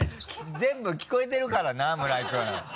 全部聞こえてるからな村井君。